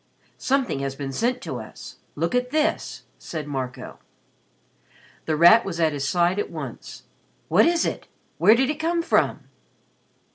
"Something has been sent to us. Look at this," said Marco. The Rat was at his side at once. "What is it? Where did it come from?"